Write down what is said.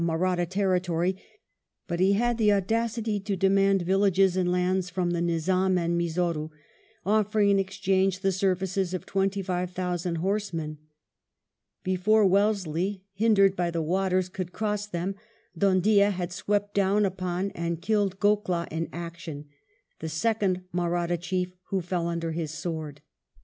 Mahratta territory, but he had the audacity to demand villages and lands from the Nizam and Mysore, offering in exchange the services of twenty five thousand horse men. Before Wellesley, hindered by the waters, could cross them, Dhoondiah had swooped down upon and killed Goklah in action, the second Mahratta chief who fell under his sword.